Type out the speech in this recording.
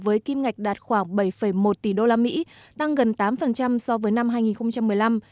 với kim ngạch đạt khoảng bảy một tỷ usd tăng gần tám so với năm hai nghìn một mươi năm